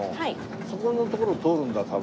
そこの所を通るんだ多分。